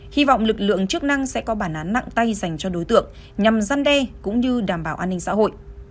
hy vọng lực lượng chức năng sẽ có bản án nặng tay dành cho đối tượng nhằm gian đe cũng như đảm bảo an ninh xã hội